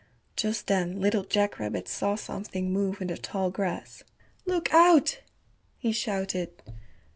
Just then Little Jack Rabbit saw something move in the tall grass. "Look out," he shouted.